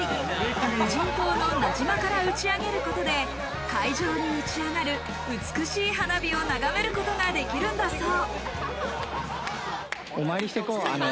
無人島の名島から打ち上げることで、海上に打ち上がる美しい花火を眺めることができるんだそう。